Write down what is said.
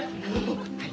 はい。